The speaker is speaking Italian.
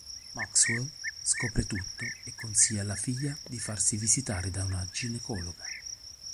Maxwell scopre tutto e consiglia alla figlia di farsi visitare da una ginecologa.